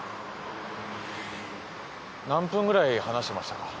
何分ぐらい話してましたか？